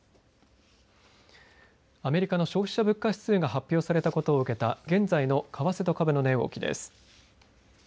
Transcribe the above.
アメリカの消費者物価指数が発表されたことを受けた現在の為替と株の値動きです。